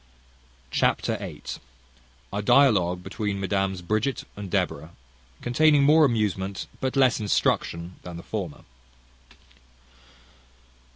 Chapter viii. A dialogue between Mesdames Bridget and Deborah; containing more amusement, but less instruction, than the former.